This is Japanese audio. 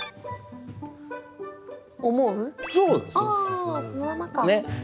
ああそのままか。